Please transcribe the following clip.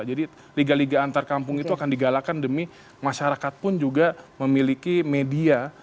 jadi liga liga antarkampung itu akan digalakan demi masyarakat pun juga memiliki media